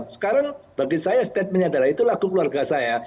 sekarang bagi saya statementnya adalah itu lagu keluarga saya